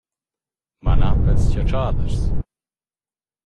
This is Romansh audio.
Ma na pels chatschaders.